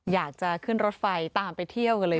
อยากจะขึ้นรถไฟตามไปเที่ยวกันเลย